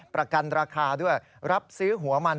ประกันราคาด้วยรับซื้อหัวมัน